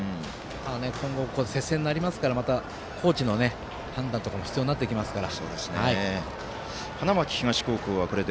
今後、接戦になりますからコーチの判断も必要になってきますから。